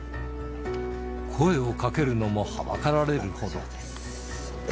声をかけるのもはばかられるほど。